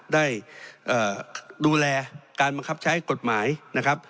ได้ดูแลการบังคับใช้กฎหมายนะครับ